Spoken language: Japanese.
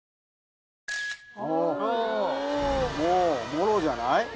もろじゃない！？